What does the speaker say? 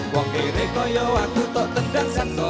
wangkere koyo aku tok tendang sangsot